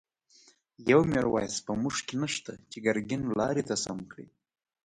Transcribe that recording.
یو«میرویس» په مونږ کی نشته، چه گرگین لاری ته سم کړی